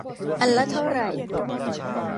อันละเท่าไหร่